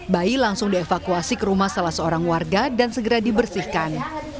bayi langsung dievakuasi ke rumah salah seorang warga dan segera dibersihkan